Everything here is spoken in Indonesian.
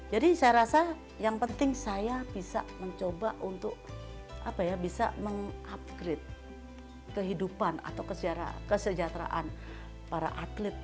jadi saya rasa yang penting saya bisa mencoba untuk bisa mengupgrade kehidupan atau kesejahteraan para atlet